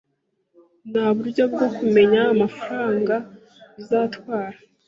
Nta buryo bwo kumenya amafaranga bizatwara.